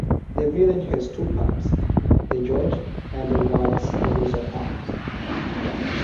The village has two pubs; The George and The Watts Russell Arms.